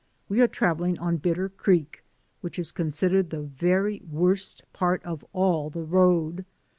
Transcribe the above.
We are traveling on Bitter Creek, which is considered the very worst part of all the road.